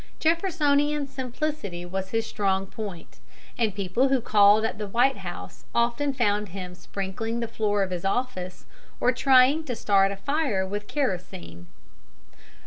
Jeffersonian simplicity was his strong point, and people who called at the White House often found him sprinkling the floor of his office, or trying to start a fire with kerosene.